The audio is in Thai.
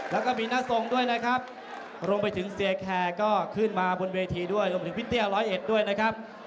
แล้วก็มีหน้าทรงด้วยนะครับรวมไปถึงเสียแคร์ก็ขึ้นมาบนเวทีด้วยรวมไปถึงพี่เตี้ยร้อยเอ็ดด้วยนะครับ